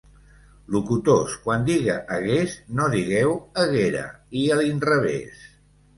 Locutors, quan diga 'hagués' no digueu 'haguera', i a l'inrevès.